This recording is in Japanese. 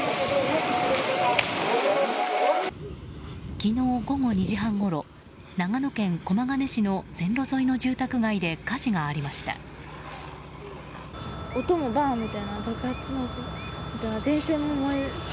昨日午後２時半ごろ長野県駒ケ根市の線路沿いの住宅街で火事がありました。